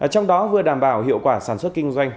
trong đó vừa đảm bảo hiệu quả sản xuất kinh doanh